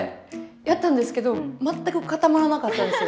やったんですけど全く固まらなかったんですよ。